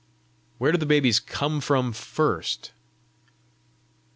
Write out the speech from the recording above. "Where do the babies come from first?"